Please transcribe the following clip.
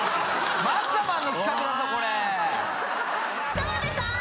澤部さん。